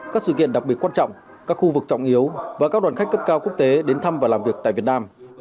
các sự kiện đặc biệt quan trọng các khu vực trọng yếu và các đoàn khách cấp cao quốc tế đến thăm và làm việc tại việt nam